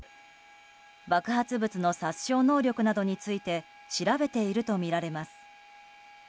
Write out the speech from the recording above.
爆発物の殺傷能力などについて調べているとみられます。